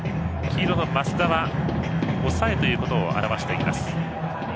黄色の益田は抑えということを表しています。